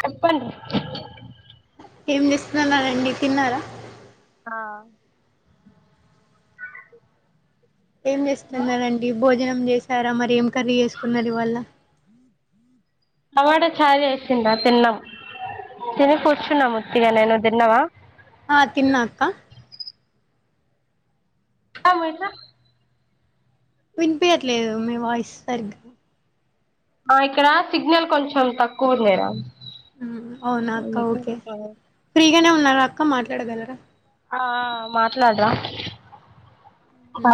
చెప్పండి ఏం చేస్తున్ననండి తిన్నారా ఆ ఏం చేస్తున్నారండి భోజనం చేసారా మరి ఏం కర్రీ చేసుకున్నారు ఇవాళ టమాట చారు చేసిన్రా తిన్నాం తిని కూర్చున్నాం ఉత్తిగనే నువ్వు తిన్నవా ఆ తిన్నా అక్కా అమ్ము ఇటు దా వినిపియట్లేదు మీ వాయిస్ సరిగ్గా ఆ ఇక్కడ సిగ్నల్ కొంచెం తక్కువ ఉందిరా హ్ అవునా అక్క అందుకే ఓకే ఫ్రీగానే ఉన్నారా అక్క మాట్లాడగలరా ఆ మాట్లాడురా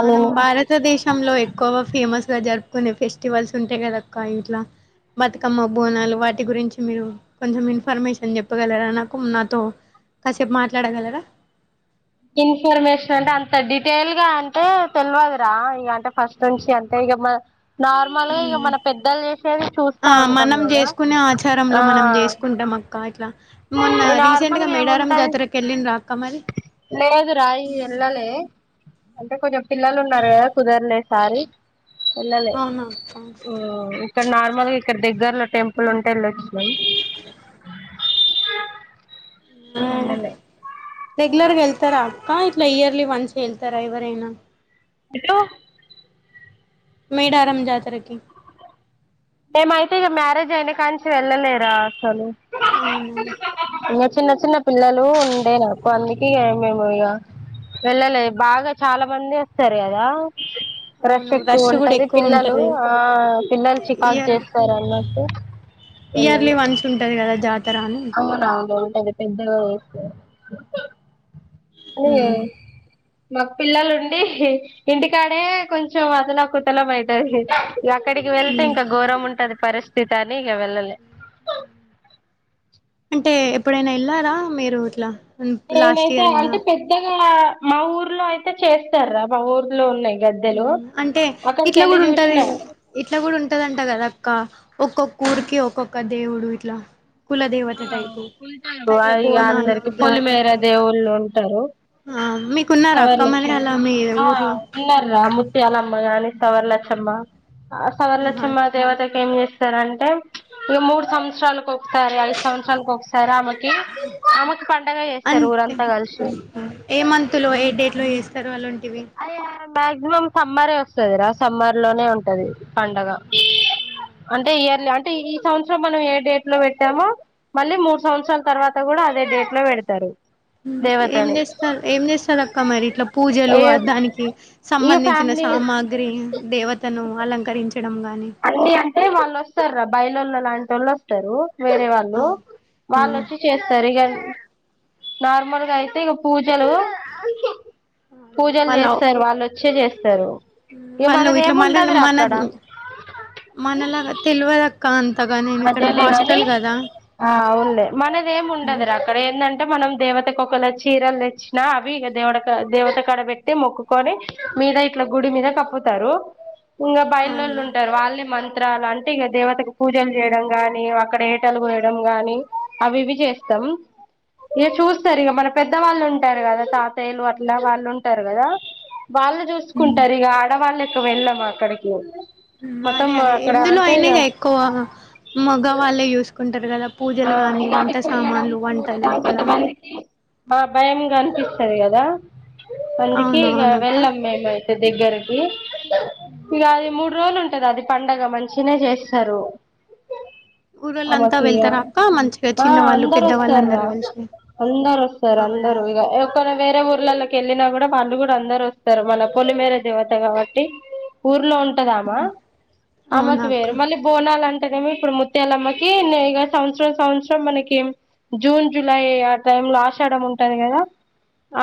మనం భారతదేశంలో ఎక్కువ ఫేమస్ ల జరుపుకునే ఫెస్టివల్స్ ఉంటయి కాదక్కా ఇంట్లా బతుకమ్మ, బోనాలు వాటి గురించి మీరు కొంచెం ఇన్ఫర్మేషన్ చెప్పగలరా నాకు నాతో కాసేపు మాట్లాడగలరా ఇన్ఫర్మేషన్ అంటే అంత డీటెయిల్ గా అంటే తెలియదురా ఇక అంటే ఫస్ట్ నుంచి అంతే మ్మా నార్మల్గా ఇక ఉమ్ మన పెద్దలు చేసేది ఆ చూస్తా ఉంటాం మనం కదా చేసుకునే ఆచారంలో ఆ మనం చేసుకుంటాం అక్క ఇట్లా మొన్న రీసెంట్ గా మేడారం జాతరకు వెళ్ళిన రా లేదు రాయి ఎల్లాలే అంటే కొంచెం పిల్లలు ఉన్నారు కదా కుదరలేసారి ఇన్నలే అవునా అక్క ఇక్కడ నార్మల్ గా ఇక్కడ దగ్గరలో టెంపుల్ ఉంటే వెళ్లి వచ్చినం ఉండలే రెగ్యులర్గా వెళ్తారా అక్క ఇట్లా ఇయర్లీ వన్స్కి వెళ్తారా ఎవరైనా ఎప్పు మేడారం జాతరకి మేమైతే ఇక మ్యారేజ్ అయినా కా ను వెళ్ళలేరా అసలు అవున ఇంకా చిన్న చిన్న పిల్లలు ఉండే నాకు అందుక మేము ఇక వెళ్ళలేదు బాగా చాలా పని చేస్తారు, కదా రష్ అవును ఎక్కువ కూడా ఉంటది. ఎక్కువ పిల్లలు ఉంటది ఆ పిల్లలు చిక్కి. పాస్ ఇయర్ చేస్తస్తారు అన్నట్టు ఇయర్లీ వెళ్లే, వన్స్ ఉంటది కదా జాతర అని అవునా. పెద్ద కోస్తారు. ఉమ్ [unintelligible] మాకు పిల్లలుండి ఇంటికాడే కొంచెం అదలా కుతలం అయితది. ఇగ అక్కడికి వెళ్తేం. ఉమ్. ఉంటది పరిస్థితి అని ఇ గ వెళ్లలే. అంటే ఎప్పుడైనా వెళ్లారా మీరు ఇట్లా. లాస్ట్ నేనైతే ఇయర్ అయినా అంటే పెద్దగా మా ఊర్లో అయితే చేస్తారా మా ఊర్లో ఉన్నాయి. గద్దెలు అంటే ఇట్లా అక్కడికెళ్ళి కూడా ఉంటది. చూసిన ఇట్లా కూడా ఉంటదంటా. కదా అక్క ఒక్కొక్క. ఊరికి ఒక్కొక్క దేవుడు ఇట్లా. కుల దేవత టైపు ఆ అట్లా బోనాలు అందరికి ఇ గా జాతర పొలిమేర దేవుళ్ళు ఉంటారు. ఆ మీకున్నారా సవర్ అక్క మరి లచ్చమ్మ అలా మీ ఆ ఊర్లో ఉన్నారా. ముత్యాలమ్మ గాని సవర్లచ్చమ్మ, ఆ ఆహా సవర్లచ్చమ్మ దేవతకి ఏం చే. స్తారు అంటే ఇ మూడు సంవత్సరాలకు ఒకసారి ఐదు సంవత్సరాలకు ఒకసారి ఆ మధ్య. కి ఆమెకు పండగ చేస్తారు అంతే ఊరంతా కలిసి. ఎప్పుడు వేస్తారు అలాంటివి. అది మాక్సిమం సమ్మరే వస్తుందిరా. సమ్మర్ లోనే ఉంటది పండగ. అంటే ఇయర్లీ అంటే. ఈ సంవత్సరం మనం ఏ డేట్ లో పెట్టామో, మళ్ళీ మూడు సంవత్సరాల తర్వాత కూడా అదే డేట్ లో పెడతారు. ఏం దేవతని చేస్తారు ఏం చేస్తారు అక్క మరి ఇట్లా పూజ. ఏ [unintelligible] అ దానికి ఈ సంబంధించిన ఫ్యామిలీ సామాగ్రి. దేవతను అలంకరించడం గాని. అన్ని అంటే వాళ్ళు వస్తారా బయలు వాళ్ళు లాంటి వాళ్ళు వస్తారు. వేరే ఆ వాళ్ళు, ఆ వాళ్ళుచ్చి చేస్తారు ఇగా. నార్మల్గా అయితే ఇగా పూజలు. పూజలు వాళ్ళ చేస్తారు. వాళ్ళు వచ్చే చేస్తారు. ఇ గా వాళ్ళు మనది ఇట్లా మళ్ళ ఏమిండదురా మన అక్కడ. [inaudible] మనలాగా తెలివదక్క అంతగా నేను ఇక్కడ అదేలే గాని హాస్టల్ కదా. ఆ అవునులే మనది ఏం ఉండదురా అక్కడ. ఏందంటే మనం దేవతకు ఒకల చీరలు తెచ్చినా. అవి ఇక దేవడ దేవత కడ పెట్టి మొక్కుకొని. మీద ఇట్లా గుడి మీద కప్పుతారు ఇగ. అవును ఉంటారు వాళ్ళని మం. ఇతర లాంటివి అంటే ఇక దేవతకు పూజలు చేయడం. గానీ అక్కడ ఏటలు కోయడం గానీ. అవి ఇవి చేస్తాం. ఇగా చూస్తారు ఇగా మన పెద్దవాళ్ళు ఉంటారు. కదా తాతయ్యలు అట్లా వాళ్ళు ఉంటారు కదా. వాళ్ళు చూసుకుంటారు. ఇగ ఆడవాళ్ళు ఎక్కువ వెళ్ళం అక్కడికి. మొత్తం అదే అదే అక్కడ ఎందులో అంటే అయినా ఇగ ఎక్కువ మగవాళ్ళే చూసుకుంటారు కదా. ఆ పూజలు గాని ఇగ అవి వంట కోయడం సామాన్లు వంటలు చూడడం అక్కడ కొంతమందికి. ఆ భయంగా అనిపిస్తది. కదా అందుకే ఇగ అవునవునక్క వెళ్ళాం మేముయి. దాని దగ్గరకి, ఇగ అది మూడు. మూడు రోలు ఉంటది. అది పండగ మంచిగనే చేస్తారు. ఊరోల్లు అంతా ఆమెకి వెళ్తారా. మంచిగా ఆ చిన్నవాళ్ళు అందరు పెద్దవాళ్ళు వస్తారురా. అందరు కలిసి అందరు వస్తారు. అవునా అందరు ఇగ ఒక్కరు వేరే. వేరే ఊర్లలకి వెళ్ళినా. కూడా వాళ్ళు కూడా అందరు వస్తరు. మళ్ళ పొలిమేర దేవత కాబట్టి ఊర్లో ఉ. ఉంటదామా, ఆ మేకి అవునక్క వేరు మళ్ళీ బోనాలు అంటదేమ ఇప్పుడు ముత్యాలమ్మకి ఇగ నైవేద్య. సంవత్సరం సంవత్సరం మనకి జూన్ జులై ఆ టైం లో ఆషాడం ఉంటంది కదా.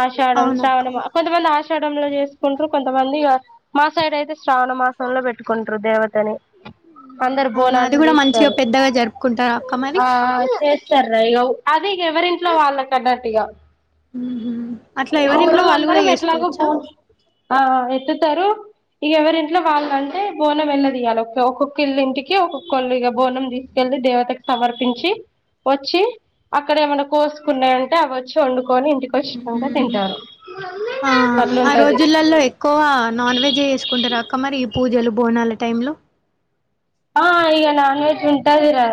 ఆషాఢం, అవునక్క శ్రావణం కొంతమంది ఆషా. డం లో చేసుకుంటరు కొంతమంది మాసైడ్ అయితే శ్రావణ మాసంలో పెట్టుకుంటారు దేవతని. అందరు అవును అది బోనాలు కూడా మంచిగా చేస్తారు. పెద్దగా జరుపుకుంటారు అక్క మరి ఆ చేస్తర్రా ఇగ అది ఇగ ఎవరింట్లో వాళ్ళకన్నట్టు ఇగ. అట్లా ఊరు ఎవరింట్లో వాళ్ళు కూడా అందరం ఎట్లాగో బో చేసుకోవచ్చా ఆ ఎత్తుతరు. ఇగ ఎవరింట్ల వాళ్ళంటే బోనమేళ్ళదియాల, ఒక్క ఒక్కొక్కిళ్ళ ఇంటికి ఒక్కొక్కళ్ళు ఇగ బోనం తీసుకెళ్ కెళ్ళి దేవతకు సమర్పించి ఒచ్చి అక్కడ ఏమన్న కోసుకున్నయుంటె అవోచ్చి వండుకొని ఇంటికి వచ్చినంక తింటారు. ఆ ఆ అట్లుంటది రోజులల్లో ఎక్కువ నాన్ వెజె జేసుకుంటరా అక్కా మరి ఈ పూజలు బోనాల టైంలో ఆ ఇగ నాన్ వెజ్ ఉంటదిరా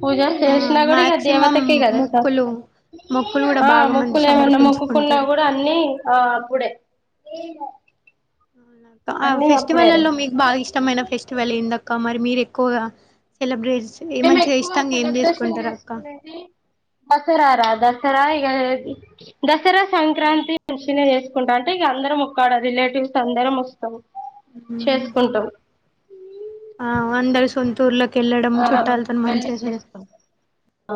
పూజలు ఆ జేష్న గూడ ఇగ అ మాక్సిమం దేవతకే గదా స మొక్కులు మొక్కులు కూడా ఆ బాగా మంది మొక్కులేమన్నా మొక్కుకున్నా సమర్పించుకుంటారు గూడా అన్ని ఆ అప్పుడే. ఏమో అవునక్కా ఆ ఫెస్టివల్లల్లో మీకు బాగా ఇష్టమైన ఫెస్టివల్ ఎందాక్కా మర్ మీరెక్కువగా సెలబ్రే మేమేక్కువ సెలబ్రేషన్ జేసుకునేది దసరార దస్ దసరా ఇగ దసరా, సంక్రాంతి మంచిగనే చేసుకు కుంటా అంటే ఇగ అందరం ఒక్కాడ రిలేటివ్స్ అందరం ఒస్తము చేసుకుంటం. ఆ అందరు సొంతూర్లకెళ్ళడం ఆ చుట్టాలతోని వెళ్ళి మంచిగా సెలబ్రెట్ చేసుకుంటాం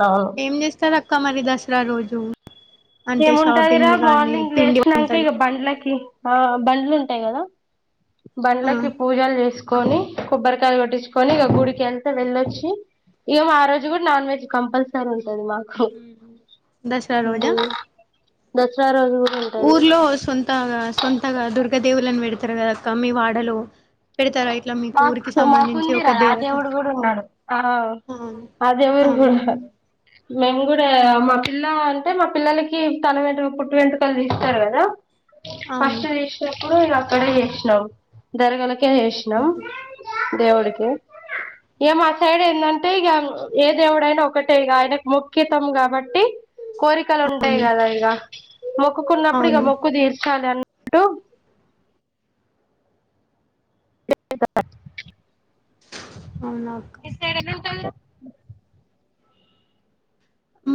అవును ఏంచేస్తరక్కా మరి దసరా రోజు? అంటే ఏముంటదిరా షాపింగ్లు కానీ మార్నింగ్ పిండి లేసినంక వంటలు ఇగ బండ్లకి ఆ బండ్లు ఉంటయి గదా ఆ బండ్లకి పూజలు జేస్ కొని కొబ్బరికాయ గొట్టిచ్చుకొని ఇగ గుడికి ఎళ్తే వెళ్ళొచ్చి ఇగ ఆ రోజు గూడ నాన్ వెజ్ కంపల్సరూంటది మాకు దసరా రోజా దసరా రోజు కూడా ఉంటది ఊర్లో సొంతగా సొంతగా దొరుక్ గ దేవుళ్లను పెడతరు కదక్కా మీ వాడలో పెడతరా ఇప్ మాక్ మాకుందిరా ఆ దేవుడు గుడున్నాడు ఆ అవును ఆ దేవుడు గూడ అవునా మేము గూడా మా పిల్ల అంటే మా పిల్లలకి తల వెంట్రుకలు పుట్టు వెంటుకలు తీస్తారు గదా. అవును ఫస్ట్ చేసినప్పుడు ఇగ అక్కడే చేసినాం దర్గాలకే నం దేవుడికే ఇగ మా సైడ్ ఏందంటే ఇగ ఏ దేవుడైనా ఒకటే ఇగ ఆయనకు మోక్కితం గాబట్టి కోరికలుంటయి అవును గదా ఇగ మొక్కుకున్నప్పుడు ఇగ అవును మొక్కు తీర్చాలి అన్నట్టు అవునా అక్క మీ సైడ్ ఎలా ఉంటదిరా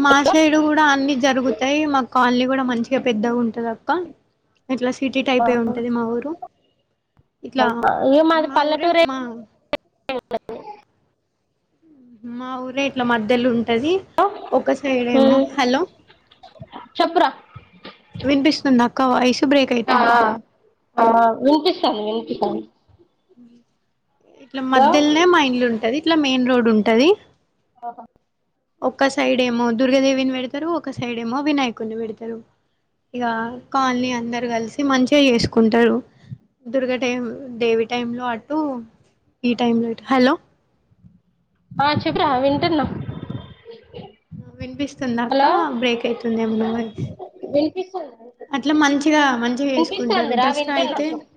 మా సైడు గుడా అన్ని జరుగుతయి, మా కాల్ని గుడా మంచిగా పెద్దగుంటందక్కా. ఇట్లా సిటీ టైపే ఉంటది మా ఊరు. ఇట్లా ఇగ మాది మా ఊరే పల్లెటూరే మా మా ఊరే ఇట్ల మధ్యలుంటది ఒక సైడేమో హ్మ్ హలో చెప్పురా వినిపిస్తుందాక్క వాయిస్ బ్రేక్ ఆ అయితుంది ఆ వినిపిస్తాంది విన్పిస్తాంది ఇట్ల మధ్యల్నే మా ఇల్లుంటది ఇట్ల మెయిన్ రోడుంటది ఆహ ఒక్క సైడ్ ఏమో దుర్గదేవిని బేడతరు, ఒక సైడ్ ఏమో వినాయకుడ్నీ పెడతరు. ఇగ కాల్నీ అందరు గల్సి మంచిగ జేసుకుంటరు దుర్గ టైం దేవి టైమ్ లో అటు, ఈ టైం లో ఇటు హలో ఆ చెప్పురా వింటున్నా ఆ వినిపిస్తుందా హలో అక్క బ్రేక్ అయితుందేమన్న వాయిస్? వినిపిస్తాంది అట్ల మంచిగా మంచిగ జేసుకుంటరు వినిపిస్తాంది రా దసరా వింటున్నా అయితే చెప్పు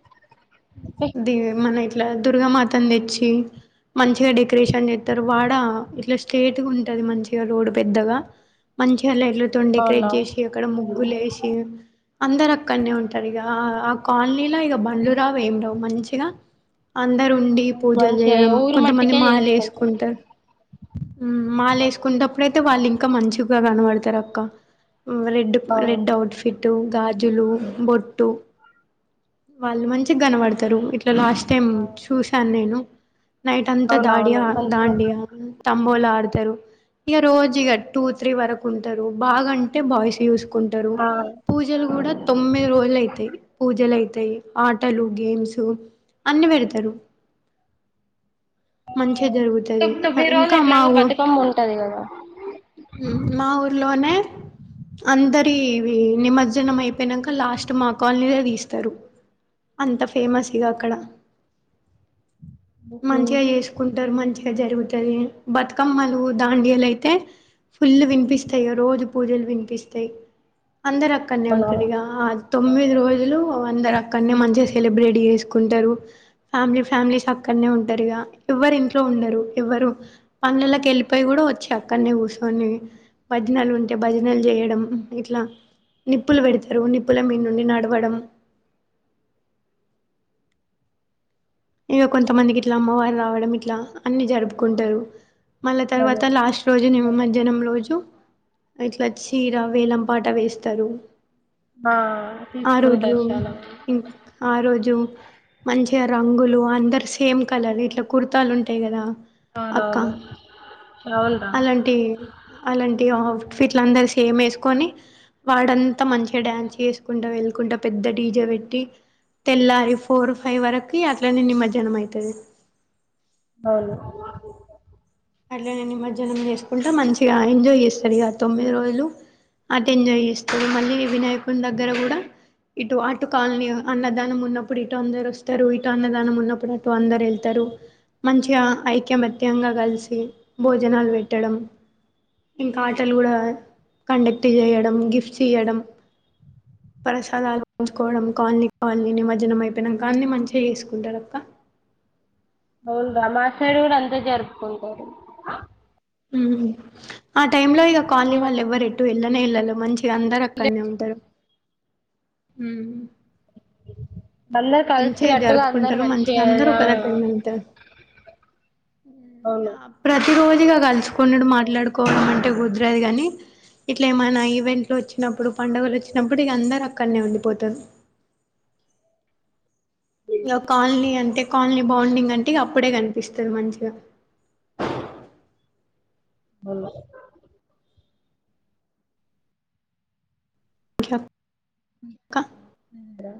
దేవి మన ఇట్ల దుర్గామాతన్ దెచ్చి మంచిగ డెకరేషన్ చేత్తరు వాడ, ఇట్ల స్ట్రేట్గా ఉంటది మంచిగా రోడ్ పెద్దగా మంచిగ లైట్లతోని డెకరేట్ అవునా జేసి అక్కడ ముగ్గులేషి అందరక్కడ్నే ఉంటరు ఇగ ఆ కాలనీల ఇగ బండ్లురావు ఏం రావు మంచిగ అందరు ఉండి పూజలు మంచిగా చేయడం ఊరు కొంతమంది మట్టికే చేసుకుంటాం మాలేసుకుంటరు ఉమ్ మాలేసుకుంటప్పుడయితే వాళ్ళు ఇంకా మంచిగ కనబడతరక్క ఉమ్ రెడ్ అవును రెడ్ ఔట్ఫిట్ గాజ్ జులు బొట్టు వాళ్ళు మంచి గనపడతరు లాస్ట్ టైం చూశాన్ నేను నైట్ అంతా అవునవును దాడియా మంచిగా దాండియా అంబోలా ఆడతరు ఇగ రోజు ఇగ టూ త్రీ వరకు ఉంటరు బాగ అంటే బాయస్ యూస్ కుంటరు ఆ పూజలు కూడా తొమ్మిది రోజులు అయితయి పూజలు అయి తేయ్ ఆటలు గేమ్స్ అన్ని పెడతరు మంచిగ జరుగుతది తొమ్మిది రోజులు ఇంకా మా ఎట్లాగో ఊ బతుకమ్మ ఉంటది కదా ఉహు మా ఊర్లోనే అందరివి నిమజ్జనం అయిపొయినంక లాస్ట్ మా కాల్నీవే తీస్తరు అంత ఫేమస్ ఇగ అక్కడ బుకో మంచిగ చేసుకుంటరు మంచిగ జరుగుతది బతుకమ్మలు దాండియలైతే ఫుల్ వినిపిస్తయి ఇగ రోజు పూజలు వినిపిస్తయి అందరక్కన్నే ఉంటరు అవునవును ఇగ ఆ తొమ్మిది రోజులు అందరక్కన్నే మంచిగ సెలబ్రేట్ చేసుకుంటరు ఫ్యామిలీ ఫ్యామిలీస్ అక్కడనే ఉంటరిగ ఎవ్వరు ఇంట్లో ఉండరు ఎవ్వరు పనుల్లకెళ్లిపోయి కూడా వచ్చి అక్కడనే కూసోని భజనలు ఉంటే భజనలు చేయడం ఇట్ల నిప్పులు పెడతరు నిప్పుల మీద్ నుండి నడవడం ఇగ కొంతమంది గిట్ల అమ్మవారు రావడం ఇట్లా అన్ని జరుపుకుంటరు మళ్ళ అదే తర్వాత లాస్ట్ రోజు నిమజ్జనం రోజు ఇట్ల చీర వేలంపాట వేస్తరు ఆ ఆ రోజు తీసుకుంటారు చాలా మంది ఇం ఆ రోజు మంచి ఇగ రంగులు అందరు సేమ్ కలర్ ఇట్ల కుర్తాలుంటాయి కదా అక్క అవునవును అవునురా అలాంటి అలాంటి ఆ ఫిట్స్ అందరు సేమ్ ఏసుకోని వాడంత మంచిగ డాన్స్ చేసుకుంట వేళ్ళుకుంట పెద్ద డీజె పె పెట్టి తెల్లారి ఫోర్ ఫై వరకి అట్లనే నిమజ్జనం అయితది అవును అట్లనే నిమజ్జనం చేసుకుంట మంచిగ ఎంజాయ్ చేస్తరు ఇగ తొమ్మిది రోజులు అట్ల ఎంజాయ్ చేస్తరు మళ్ళీ వినాయకుని దగ్గర గూడా ఇటు అటు కాలనీ అన్నదానం ఉన్నప్పుడు ఇటు అందరు వస్తరు ఇటు అన్నదానం ఉన్నప్పుడు అటు అందరు ఎళ్తరు మంచిగా, ఐకమత్యంగా కలిసి భోజనాలు వెట్టడం. ఇంకా ఆటలు కూడా కండక్ట్ చేయడం, గిఫ్ట్స్ ఇయ్యడం [inaudible] ప్రసాదాలు ఉంచుకోవడం కాళనీ కాలని నిమజ్జనం అయిపోయినా అన్ని మంచిగా చేసుకుంటారు అక్క అవును రా మా సైడ్ కూడా అంతే జరుపుకుంటారు ఉమ్ ఆ టైమ్ లో ఇక కాలనీ వాళ్ళు ఎవ్వరు ఎటు వెళ్ళనే వెళ్లరు మంచి ఇగ అందరు అక్కడనే ఉంటారు అందరు కలిసి అట్టుగా అందరు జరుపుకుంటరు అందరు మంచిగా ఒక దగ్గరనే ఉంటరు. అవును ప్రతి రోజుగా కలుసుకున్నడు మాట్లాడుకోవడం అంటే కుదరదు కాని ఇట్ల ఏమైనా ఈవెంట్లు వచ్చినప్పుడు పండుగలు వచ్చినప్పుడు ఇక అందరు అక్కడనే ఉండిపోతారు క్యూమ్ ఇగో కాలనీ అంటే కాలనీ బాండింగ్ అంటే అప్పుడే కనిపిస్తుంది మంచిగా [inaudible] ఇహ ఇప్పుడు